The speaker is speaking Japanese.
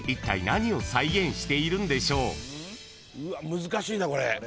うわ難しいなこれ。